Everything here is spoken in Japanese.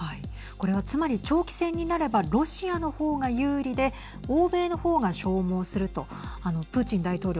これはつまり長期戦になればロシアの方が有利で欧米の方が消耗するとプーチン大統領